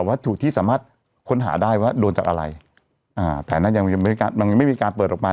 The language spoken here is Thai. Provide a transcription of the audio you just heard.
วัตถุที่สามารถค้นหาได้ว่าโดนจากอะไรอ่าแต่นั่นยังยังไม่มีการเปิดออกมา